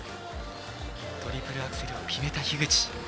トリプルアクセルを決めた樋口。